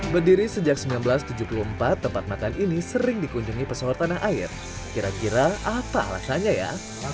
berdiri sejak seribu sembilan ratus tujuh puluh empat tempat makan ini sering dikunjungi pesawat tanah air kira kira apa alasannya ya